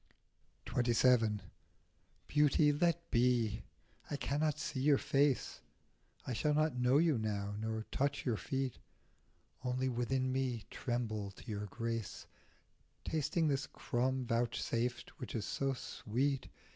XXVII. BEAUTY, let be ; I cannot see your face, I shall not know you now, nor touch your feet, Only within me tremble to your grace, Tasting this crumb vouchsafed which is so sweet.